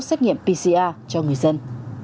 xét nghiệm pcr cho người dân